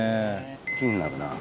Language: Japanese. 気になるな。